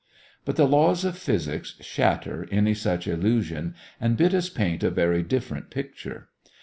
But the laws of physics shatter any such illusion and bid us paint a very different picture.